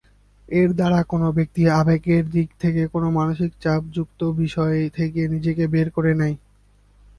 এর দ্বারা কোন ব্যক্তি আবেগের দিক থেকে কোন মানসিক চাপযুক্ত বিষয় থেকে নিজেকে বের করে নেয়।